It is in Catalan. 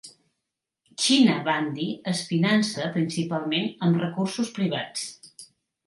China Bandy es finança principalment amb recursos privats.